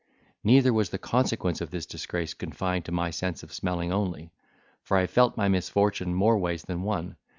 neither was the consequence of this disgrace confined to my sense of smelling only; for I felt my misfortune more ways than one.